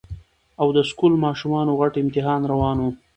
او د سکول ماشومانو غټ امتحان روان وو